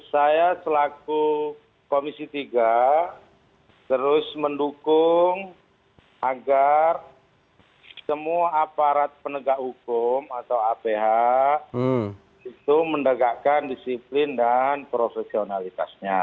saya selaku komisi tiga terus mendukung agar semua aparat penegak hukum atau aph itu mendegakkan disiplin dan profesionalitasnya